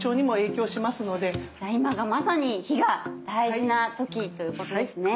じゃあ今がまさに脾が大事なときということですね。